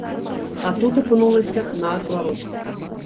А тут апынулася наадварот.